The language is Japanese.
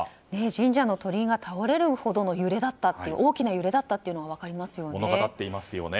神社の鳥居が倒れるほどの大きな揺れだったというのが分かりますね。